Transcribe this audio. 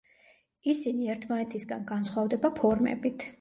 ისინი ერთმანეთისგან გასხვავდება ფორმებით.